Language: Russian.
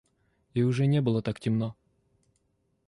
И уже не было так темно.